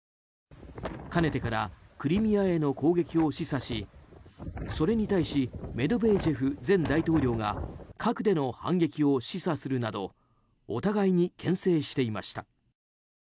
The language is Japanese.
かねてからクリミアへの攻撃を示唆しそれに対しメドベージェフ前大統領が核での反撃を示唆するなどお互いに牽制していました。